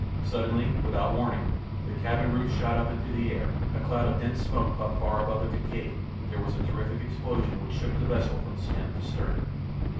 Suddenly, without warning, the cabin roof shot up into the air, a cloud of dense smoke puffed far above the Kincaid, there was a terrific explosion which shook the vessel from stem to stern.